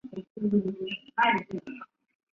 王熙凤是王子胜的女儿。